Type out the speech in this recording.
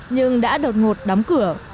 nhưng đã đột ngột đóng cửa